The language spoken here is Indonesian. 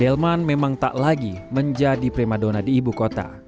delman memang tak lagi menjadi prima dona di ibu kota